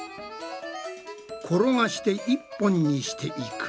転がして一本にしていく。